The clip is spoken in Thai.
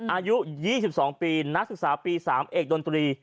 อายุ๒๒ปีนักศึกษาปี๓เอกดนตรี